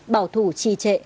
bảo thủ trì trệ